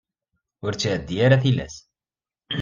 Ur ttɛeddi ara tilas.